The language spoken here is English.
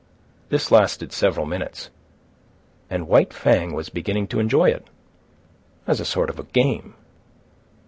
This lasted several minutes, and White Fang was beginning to enjoy it, as a sort of game.